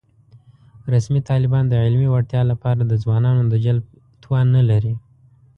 رسمي طالبان د علمي وړتیا له پاره د ځوانانو د جلب توان نه لري